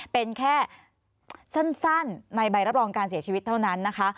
เป็นแค่สั้นในใบรับรองการเสียชีวิตเท่านั้นนะคะ